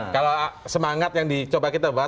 kalau semangat yang dicoba kita bahas